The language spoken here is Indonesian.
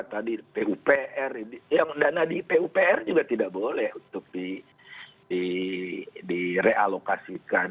tadi pupr yang dana di pupr juga tidak boleh untuk direalokasikan